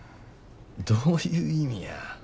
どういう意味や。